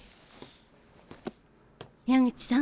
矢口さん